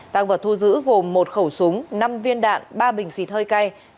tăng vật thu giữ gồm một khẩu súng năm viên đạn ba bình xịt hơi cay